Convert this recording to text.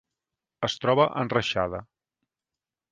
Es troba enreixada.